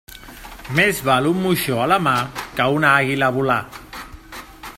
Més val un moixó a la mà que una àguila volar.